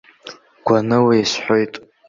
Гәаныла исҳәоит.